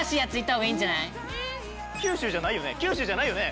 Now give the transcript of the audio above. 九州じゃないよね？